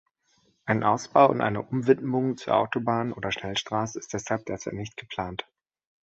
Ein Ausbau und eine Umwidmung zur Autobahn oder Schnellstraße ist deshalb derzeit nicht geplant.